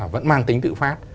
vẫn mang tính tự phát